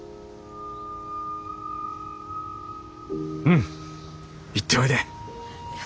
うん行っておいで。